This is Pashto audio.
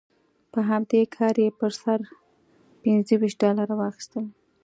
په همدې کار یې پر سر پنځه ویشت ډالره واخیستل.